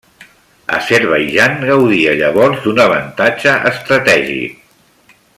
Azerbaidjan gaudia llavors d'un avantatge estratègic.